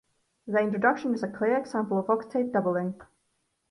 The introduction is a clear example of octave doubling.